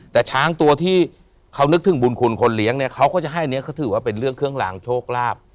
แต่ช้างตัวที่เขานึกถึงบุญคุณคนเลี้ยงเนี่ยเขาก็จะให้อันนี้เขาถือว่าเป็นเรื่องเครื่องลางโชคลาภ